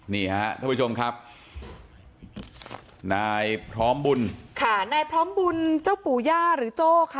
นี่ฮะท่านผู้ชมครับนายพร้อมบุญค่ะนายพร้อมบุญเจ้าปู่ย่าหรือโจ้ค่ะ